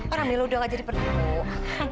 orang milo udah gak jadi penuh